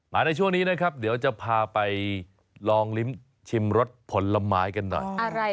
ในช่วงนี้นะครับเดี๋ยวจะพาไปลองลิ้มชิมรสผลไม้กันหน่อย